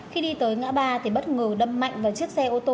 khi đi tới ngã ba thì bất ngờ đâm mạnh vào chiếc xe ô tô chạy cùng chiều